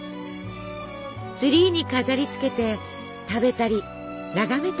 ツリーに飾りつけて食べたり眺めたり。